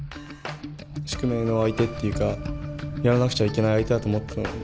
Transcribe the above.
宿命の相手っていうかやらなくちゃいけない相手だと思っていたので。